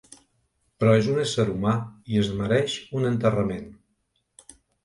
Però és un ésser humà i es mereix un enterrament.